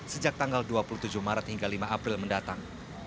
sejak tanggal dua puluh tujuh maret hingga lima april mendatang